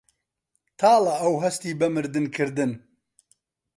تاڵە ئەو هەستی بە مردن کردن